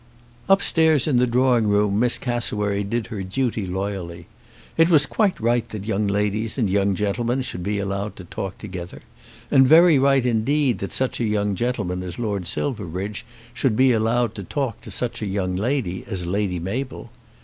'" Upstairs in the drawing room Miss Cassewary did her duty loyally. It was quite right that young ladies and young gentlemen should be allowed to talk together, and very right indeed that such a young gentleman as Lord Silverbridge should be allowed to talk to such a young lady as Lady Mabel.